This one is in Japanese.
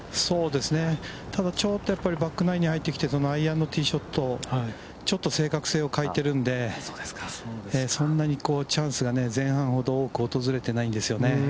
ただ、ちょっとやっぱりバックナインに入ってきて、アイアンのティーショット、ちょっと正確性を欠いてるんで、そんなにチャンスが前半ほど多く訪れてないんですよね。